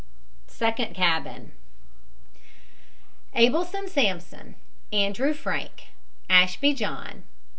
SECOND CABIN ABELSON, SAMSON. ANDREW, FRANK. ASHBY, JOHN.